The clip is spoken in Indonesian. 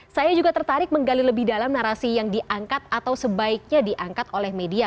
saya juga tertarik menggali lebih dalam narasi yang diangkat atau sebaiknya diangkat oleh media